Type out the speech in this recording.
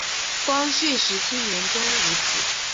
光绪十七年中武举。